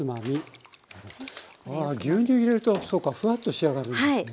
ああ牛乳入れるとそうかフワッと仕上がるんですね。